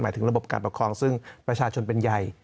ถึงระบบการปกครองซึ่งประชาชนเป็นใหญ่